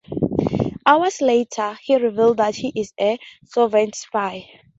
Hours later, he reveals that he is a Soviet spy.